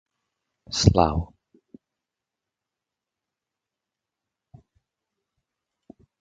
Sam Wylie served as team manager.